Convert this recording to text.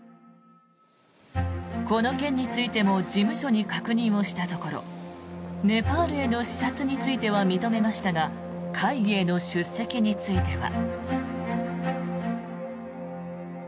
この件についても事務所に確認をしたところネパールへの視察については認めましたが会議への出席については。